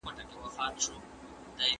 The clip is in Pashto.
ایا نارينه د ميرمنو په نسبت ډېر زغم لري؟